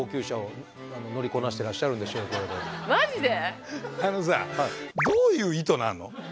マジで？